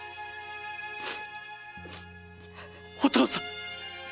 お父さん！